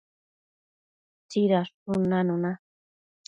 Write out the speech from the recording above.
tsidadshun nanuna